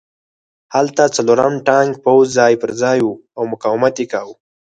هلته څلورم ټانک پوځ ځای پرځای و او مقاومت یې کاوه